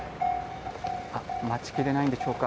待ちきれないのでしょうか